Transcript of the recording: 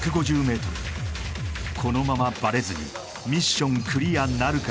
このままバレずにミッションクリアなるか